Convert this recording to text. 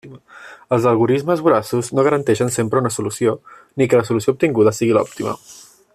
Els algorismes voraços no garanteixen sempre una solució, ni que la solució obtinguda sigui l'òptima.